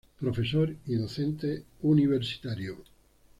Profesor y docente universitario.